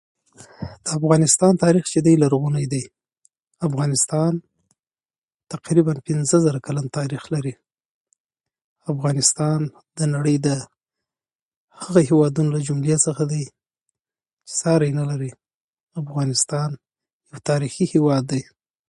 افغانستان تاریخ چې دی، لرغونی دی. افغانستان تقریبا پنځه زره کلن تاریخ لري. افغانستان د نړۍ د هغه هېوادونو له جملې څخه دی چې ساری نه لري. افغانستان تاريخي هېواد دی.